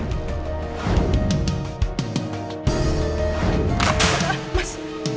jangan mencari kesalahan